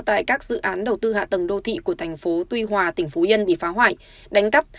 tại các dự án đầu tư hạ tầng đô thị của thành phố tuy hòa tỉnh phú yên bị phá hoại đánh cắp